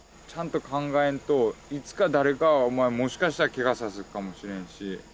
ちゃんと考えんといつか誰かもしかしたらケガさすっかもしれんし。